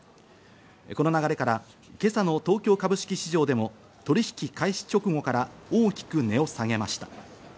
この流れから今朝の東京株式市場でも取引開始直後から大きく値を下げました。